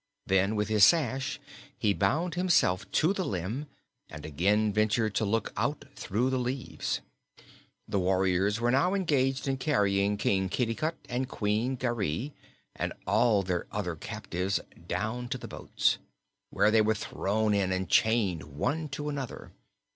Then with his sash he bound himself to the limb and again ventured to look out through the leaves. The warriors were now engaged in carrying King Kitticut and Queen Garee and all their other captives down to the boats, where they were thrown in and chained one to another.